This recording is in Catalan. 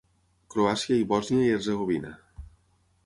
Croàcia i Bòsnia i Hercegovina.